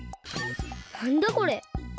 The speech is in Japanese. なんだこれ？